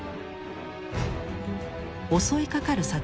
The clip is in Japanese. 襲いかかる